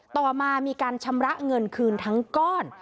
ต่อมามีการชำระเงินคืนทั้งก้อน